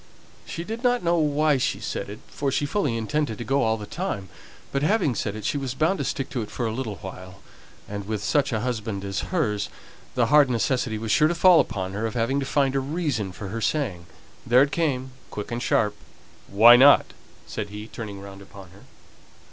She did not know why she said it, for she fully intended to go all the time; but having said it, she was bound to stick to it for a little while; and, with such a husband as hers, the hard necessity was sure to fall upon her of having to find a reason for her saying. Then it came, quick and sharp. "Why not?" said he, turning round upon her.